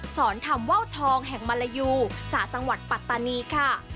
สอนธรรมว่าวทองแห่งมารยูจากจังหวัดปัตตานีค่ะ